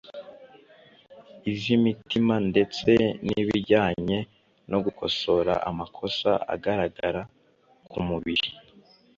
iz’imitima ndetse n’ibijyanye no gukosora amakosa agaragara ku mubiri